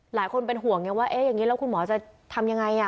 หลายคนเป็นห่วงอย่างว่าเอ๊ะอย่างงี้แล้วคุณหมอจะทำยังไงอ่ะ